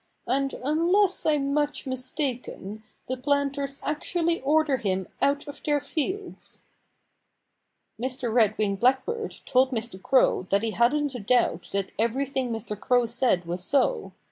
And unless I'm much mistaken the planters actually order him out of their fields." Mr. Red winged Blackbird told Mr. Crow that he hadn't a doubt that everything Mr. Crow said was so.